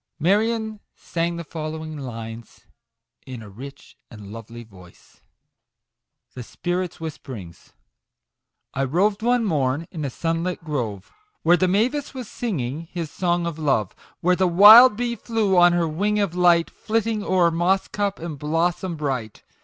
Marion sang the following lines in a rich and lovely voice : MAGIC WORDS. 29 THE SPIRIT'S WHISPERINGS. I roved one morn in a sunlit grove, Where the mavis was singing his song of love, Where the wild bee flew on her wing of light, Flitting o'er moss cup and blossom bright